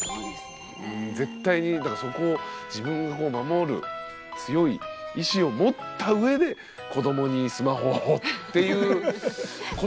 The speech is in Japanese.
絶対にだからそこを自分が守る強い意志を持ったうえで子どもにスマホをっていうことになってきますよね。